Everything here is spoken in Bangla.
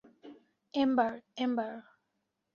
Ember, ember.